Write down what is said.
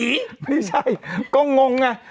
ไม่ใช่ก็งงไง